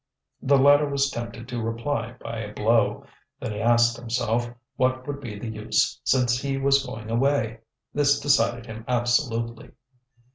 The latter was tempted to reply by a blow. Then he asked himself what would be the use since he was going away. This decided him absolutely.